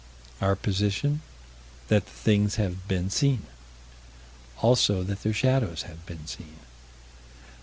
Our position: That the things have been seen: Also that their shadows have been seen.